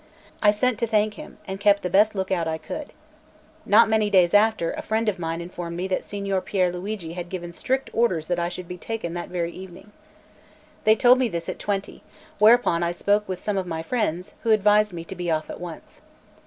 I sent to thank him, and kept the best look out I could. Not many days after, a friend of mine informed me that Signor Pier Luigi had given strict orders that I should be taken that very evening. They told me this at twenty; whereupon I spoke with some of my friends, who advised me to be off at once.